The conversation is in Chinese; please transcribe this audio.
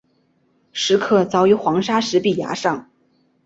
石刻凿于黄砂石崖壁上。